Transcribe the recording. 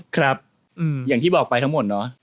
ครับอย่างที่บอกไปทั้งหมดเนาะ